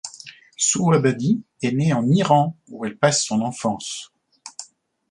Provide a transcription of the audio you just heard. Sou Abadi est née en Iran, où elle passe son enfance..